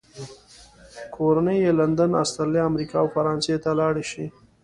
کورنۍ یې لندن، استرالیا، امریکا او فرانسې ته لاړې شي.